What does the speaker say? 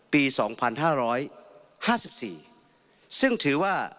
ปี๒๕๕๔ซึ่งถือว่า